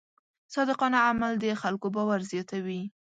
صادقانه عمل د خلکو باور زیاتوي.